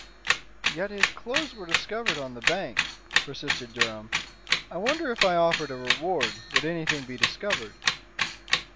"Yet, his clothes were discovered on the bank," persisted Durham. "I wonder if I offered a reward, would anything be discovered?"